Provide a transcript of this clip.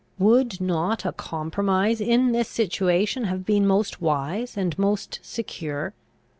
Would not a compromise in this situation have been most wise and most secure?